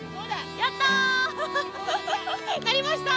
やった！